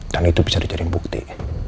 dan itu bisa dijadiin bukti